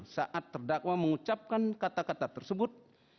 saat terdakwa mengucapkan kata kata tersebut